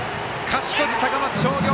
勝ち越し、高松商業。